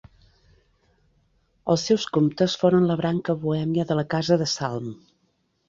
Els seus comtes foren la branca bohèmia de la casa de Salm.